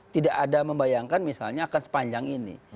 tidak ada membayangkan misalnya akan sepanjang ini